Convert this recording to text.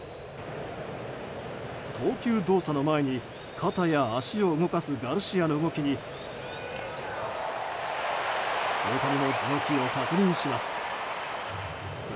投球動作の前に肩や足を動かすガルシアの動きに大谷も動きを確認します。